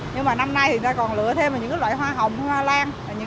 nhưng mà năm nay thì người ta còn lựa thêm những loại hoa hồng hoa lan